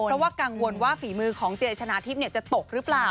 เพราะว่ากังวลว่าฝีมือของเจชนะทิพย์จะตกหรือเปล่า